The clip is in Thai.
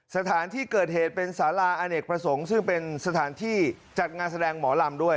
สถานที่เกิดเหตุเป็นสาราอเนกประสงค์ซึ่งเป็นสถานที่จัดงานแสดงหมอลำด้วย